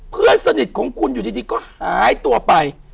เพื่อนสนิทของคุณอยู่ดีก็หายตัวไป